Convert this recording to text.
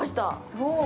すごい。